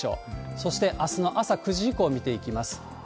そしてあすの朝９時以降見ていきます。